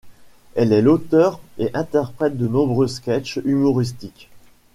Elle est l'auteur et interprète de nombreux sketchs humoristiques.